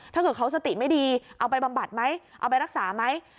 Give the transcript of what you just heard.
ถ้าเกิดเขาสติไม่ดีเอาไปบำบัดไหมเอาไปรักษาไหม